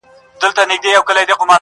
ما وې خفه یمه په زړۀ مې درد دی ,